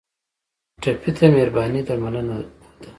ټپي ته مهرباني درملنه ده.